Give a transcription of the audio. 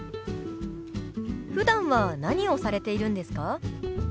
ふだんは何をされているんですか？